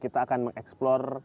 kita akan mengeksplor